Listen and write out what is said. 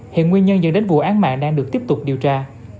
hiện nguyên nhân dẫn đến vụ án mạng đang được tiếp tục điều tra